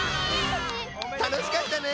たのしかったね！